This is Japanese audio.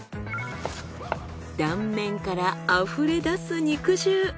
断面からあふれだす肉汁。